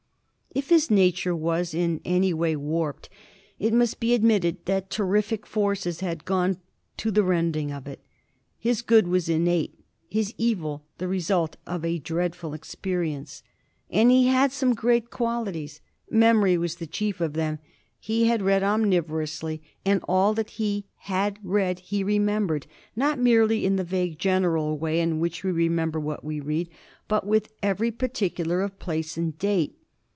If his nature was in any way warped, it must be admitted that terrific forces had gone to the rending of it. His good was innate, his evil the result of a dreadful experience. And he had some great qualities. Memory was the chief of them. He had read omnivorously, and all that he had read he remembered, not merely in the vague, general way in which we remember what we read, but with every particular of place and date.